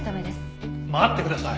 待ってください。